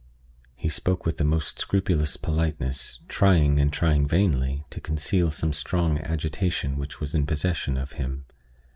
He spoke with the most scrupulous politeness; trying, and trying vainly, to conceal some strong agitation which was in possession of him.